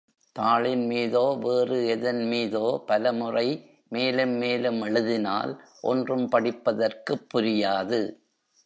தாளின் மீதோ வேறு எதன் மீதோ பல முறை மேலும் மேலும் எழுதினால் ஒன்றும் படிப்பதற்குப் புரியாது.